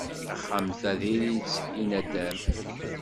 Taxxamt-a diri-tt i nadam.